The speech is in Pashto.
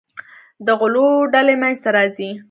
د غلو ډلې منځته راځي.